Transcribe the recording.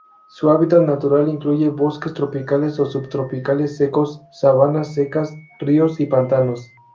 Su hábitat natural incluye bosques tropicales o subtropicales secos, sabanas secas, ríos y pantanos.